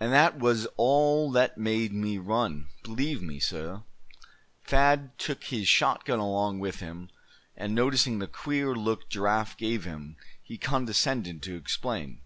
And that was all that made me run, believe me, suh." Thad took his shotgun along with him; and noticing the queer look Giraffe gave him, he condescended to explain.